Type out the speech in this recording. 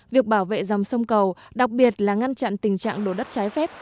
việc bảo vệ dòng sông cầu đặc biệt là ngăn chặn tình trạng đổ đất trái phép